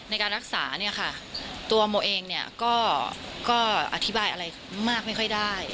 ในการรักษาเนี่ยค่ะตัวโมเองเนี่ยก็อธิบายอะไรมากไม่ค่อยได้